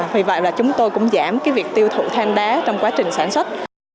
vì vậy là chúng tôi cũng giảm cái việc tiêu thụ than đá trong quá trình sản xuất